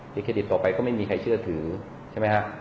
เครดิตต่อไปก็ไม่มีใครเชื่อถือใช่ไหมครับ